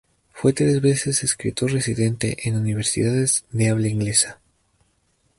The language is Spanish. Fue tres veces escritor residente en universidades de habla inglesa.